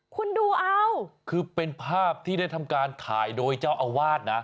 คุณดูเอาคือเป็นภาพที่ได้ทำการถ่ายโดยเจ้าอาวาสนะ